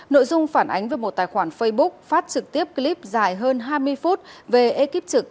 nội dung phản ánh về một tài khoản facebook phát trực tiếp clip dài hơn hai mươi phút về ekip trực